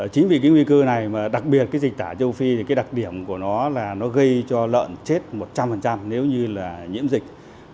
chính vì nguy cơ này đặc biệt dịch tà châu phi đặc điểm của nó là nó gây cho lợn chết một trăm linh nếu như nhiễm dịch